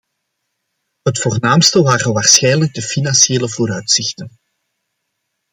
Het voornaamste waren waarschijnlijk de financiële vooruitzichten.